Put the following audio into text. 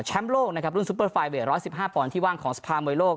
แชมป์โลกนะครับรุ่นซูเปอร์ไฟเวสร้อยสิบห้าปอนดิ์ที่ว่างของสภาโมยโลก